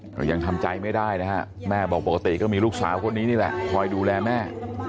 ก็ยังทำใจไม่ได้นะฮะแม่บอกปกติก็มีลูกสาวคนนี้นี่แหละคอยดูแลแม่